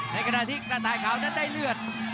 ในขณะที่กระต่ายขาวนั้นได้เลือด